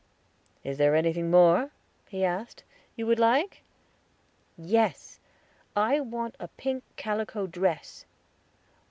"Is there anything more?" he asked, "you would like?" "Yes, I want a pink calico dress."